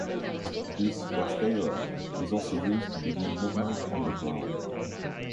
This rasteira is also used to begin movement on the ground.